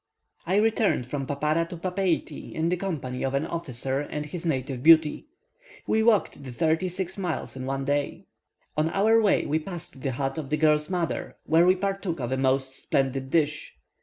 I returned from Papara to Papeiti in the company of an officer and his native beauty; we walked the thirty six miles in a day. On our way, we passed the hut of the girl's mother, where we partook of a most splendid dish.